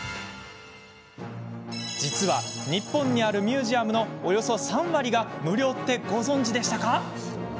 実は、日本にあるミュージアムのおよそ３割が無料ってご存じでしたか？